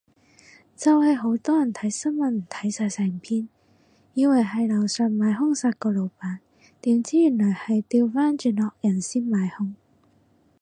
就係好多人睇新聞唔睇晒成篇，以為係樓上買兇殺個老闆，點知原來係掉返轉惡人先買兇